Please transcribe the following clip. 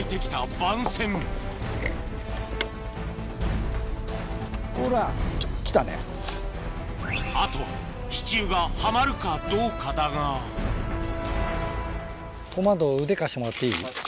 番線あとは支柱がはまるかどうかだがコマンドー腕貸してもらっていい？